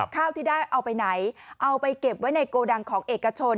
ข้าวที่ได้เอาไปไหนเอาไปเก็บไว้ในโกดังของเอกชน